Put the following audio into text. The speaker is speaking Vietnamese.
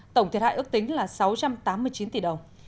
tổng thiệt hại ước tính là sáu trăm tám mươi chín tỷ đồng